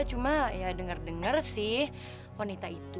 cuma ya denger denger sih wanita itu